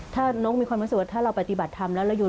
ถ้านกมีความรู้สึกว่าถ้าเราปฏิบัติทำแล้ว